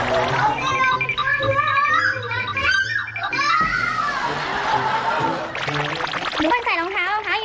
ก็รู้ว่าผู้สาวข้างบ้านจะมาเล่นด้วย